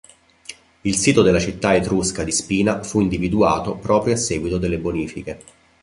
Il sito della città etrusca di Spina fu individuato proprio a seguito delle bonifiche.